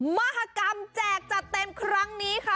มหากรรมแจกจัดเต็มครั้งนี้ค่ะ